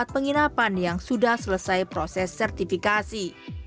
pengenapan yang sudah selesai proses sertifikasi